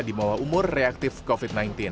di bawah umur reaktif covid sembilan belas